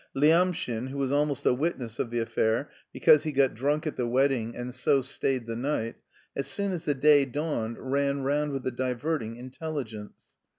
Lyamshin, who was almost a witness of the affair, because he got drunk at the wedding and so stayed the night, as soon as day dawned, ran round with the diverting intelligence.